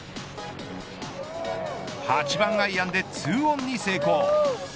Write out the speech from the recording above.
８番アイアンで２オンに成功。